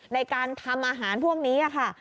ในการทำอาหารพวกนี้ค่ะ